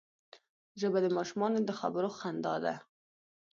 ژبه د ماشومانو د خبرو خندا ده